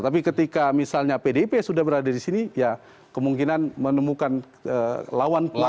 tapi ketika misalnya pdip sudah berada di sini ya kemungkinan menemukan lawan pelan